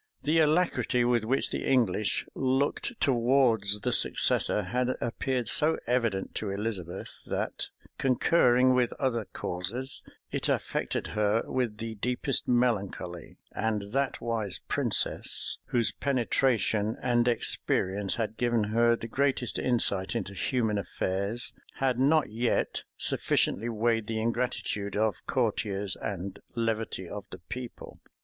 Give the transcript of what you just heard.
The alacrity with which the English looked towards the successor had appeared so evident to Elizabeth, that, concurring, with other causes, it affected her with the deepest melancholy; and that wise princess, whose penetration and experience had given her the greatest insight into human affairs, had not yet, sufficiently weighed the ingratitude of courtiers and levity of the people.